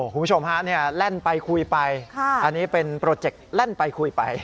คุณผู้ชมฮะแล่นไปคุยไปอันนี้เป็นโปรเจคแล่นไปคุยไป